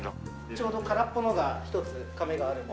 ちょうど空っぽのが１つ瓶があるので。